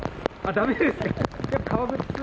だめですか？